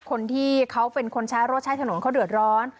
คนที่เขาเป็นคนใช้รถใช้ถนนเขาเดือดร้อน